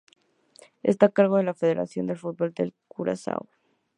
Está a cargo de la Federación de Fútbol de Curazao.